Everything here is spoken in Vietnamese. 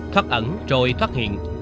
thoát ẩn rồi thoát hiện